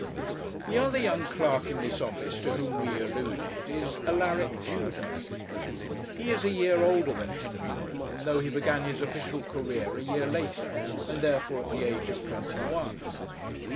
The other young clerk in this office to whom we alluded is Alaric Tudor. He is a year older than Henry Norman, though he began his official career a year later, and therefore at the age of twenty one.